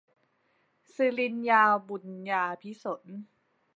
ศรินยา บุนยาภิสนท์